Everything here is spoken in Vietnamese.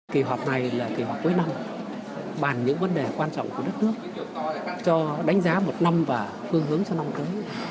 kỳ họp này là kỳ họp cuối năm bàn những vấn đề quan trọng của đất nước cho đánh giá một năm và phương hướng cho năm tới